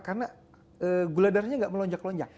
karena gula darahnya gak melonjak lonjak